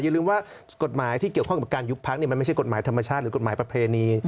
ลืมว่ากฎหมายที่เกี่ยวข้องกับการยุบพักมันไม่ใช่กฎหมายธรรมชาติหรือกฎหมายประเพณี